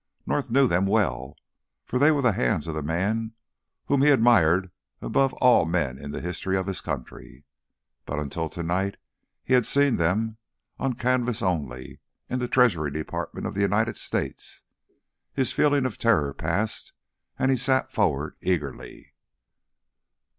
North knew them well, for they were the hands of the man whom he admired above all men in the history of his country. But until to night he had seen them on canvas only, in the Treasury Department of the United States. His feeling of terror passed, and he sat forward eagerly.